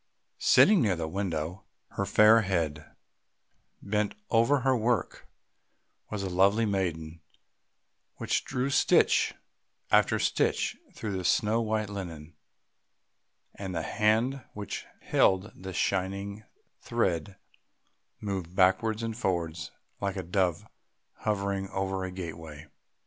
Sitting near the window, her fair head bent over her work, was a lovely maiden: she drew stitch after stitch through the snow white linen, and the hand which held the shining thread moved backwards and forwards like a dove hovering over a gateway.